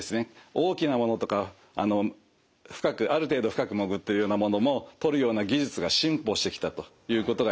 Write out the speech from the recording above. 大きなものとかある程度深く潜っているようなものも取るような技術が進歩してきたということが一つですね。